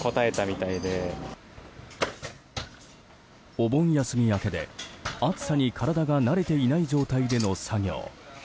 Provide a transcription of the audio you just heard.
お盆休み明けで、暑さに体が慣れていない状態での作業。